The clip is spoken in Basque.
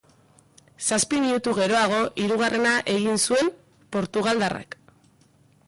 Zazpi minutu geroago hirugarrena egin zuen portugaldarrak.